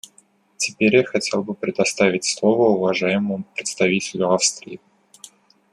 Теперь я хотел бы предоставить слово уважаемому представителю Австрии.